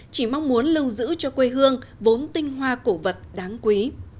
chỉ mong muốn lưu giữ cho quê hương vốn tinh hoa cổ vật đáng quý